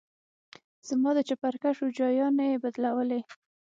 زما د چپرکټ روجايانې يې بدلولې.